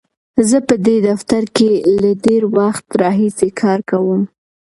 زه په دې دفتر کې له ډېر وخت راهیسې کار کوم.